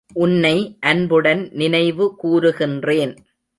உன்னை அன்புடன் நினைவு கூருகின்றேன்.